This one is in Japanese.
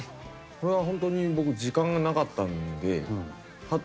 これはほんとに僕時間がなかったんではっ